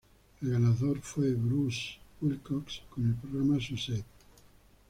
El ganador fue Bruce Wilcox, con el programa Suzette.